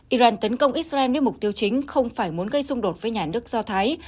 iran tấn công israel nếu mục tiêu chính không phải muốn gây xung đột với nhà nước do thái